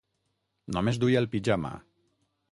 Només duia el pijama.